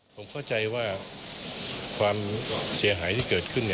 ผมเข้าใจว่าความเสียหายที่เกิดขึ้น